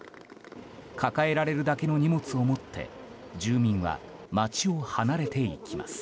抱えられるだけの荷物を持って住民は街を離れていきます。